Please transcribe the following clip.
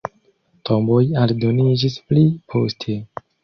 Tomboj aldoniĝis pli poste.